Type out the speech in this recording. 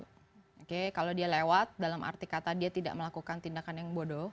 oke kalau dia lewat dalam arti kata dia tidak melakukan tindakan yang bodoh